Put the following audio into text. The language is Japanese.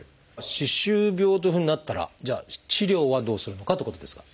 歯周病というふうになったらじゃあ治療はどうするのかってことですが。